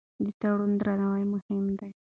د تړون درناوی مهم دی.